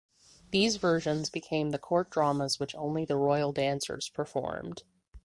These versions became the court dramas which only the royal dancers performed.